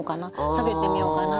下げてみようかな？